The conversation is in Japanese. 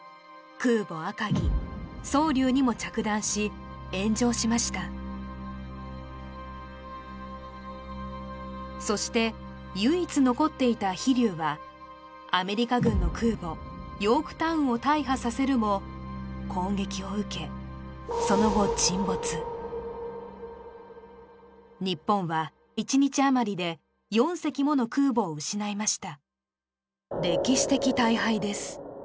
空母赤城蒼龍にも着弾し炎上しましたそして唯一残っていた飛龍はアメリカ軍の空母ヨークタウンを大破させるも攻撃を受けその後沈没日本は１日あまりで４隻もの空母を失いましたです